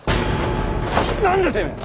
なんだてめえ！